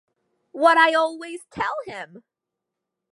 What I always tell him!